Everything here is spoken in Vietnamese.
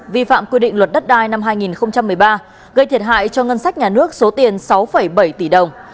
vi phạm quy định luật đất đai năm hai nghìn một mươi ba gây thiệt hại cho ngân sách nhà nước số tiền sáu bảy tỷ đồng